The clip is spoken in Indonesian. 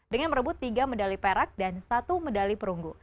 dengan merebut tiga medali perak dan satu medali perunggu